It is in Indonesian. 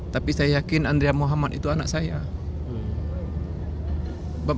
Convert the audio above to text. tapi saya yakin andria muhammad itu anak saya